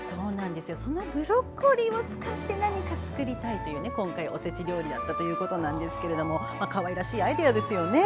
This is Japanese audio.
そのブロッコリーを使って何か作りたいということで今回、おせち料理だったということですけどもかわいらしいアイデアですよね。